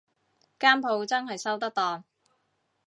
間舖真係收得檔